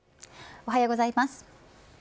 おはようございます。